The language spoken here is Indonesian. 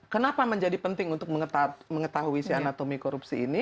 kenapa menjadi penting untuk mengetahui si anatomi korupsi ini